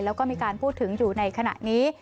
แล้วก็มีการพูดถึงอยู่ในขณะนี้